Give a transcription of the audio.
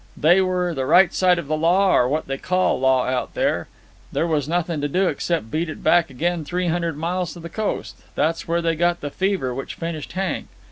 They were the right side of the law, or what they call law out there. There was nothing to do except beat it back again three hundred miles to the coast. That's where they got the fever which finished Hank.